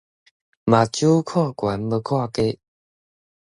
目睭看懸，無看低